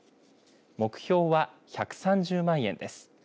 目標は１３０万円です。